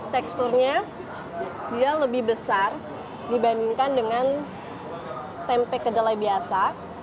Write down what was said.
teksturnya dia lebih besar dibandingkan dengan tempe kedelai biasa